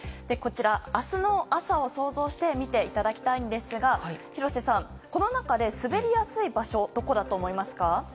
こちら、明日の朝を想像して見ていただきたいんですが廣瀬さん、この中で滑りやすい場所はどこだと思いますか？